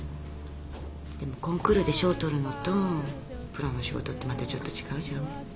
でもコンクールで賞取るのとプロの仕事ってまたちょっと違うじゃん。